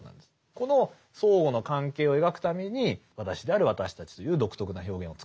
この相互の関係を描くために私である私たちという独特な表現を使ってるんですね。